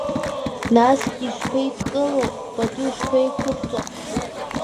Насгьы ишԥеидгыло, пату шԥеиқәырҵо…